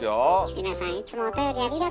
皆さんいつもおたよりありがとう。